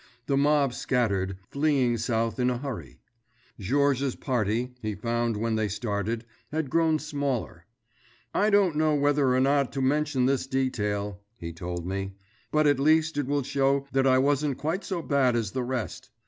The mob scattered, fleeing south in a hurry. Georges's party, he found when they started, had grown smaller. "I don't know whether or not I ought to mention this detail," he told me, "but at least it will show that I wasn't quite so bad as the rest.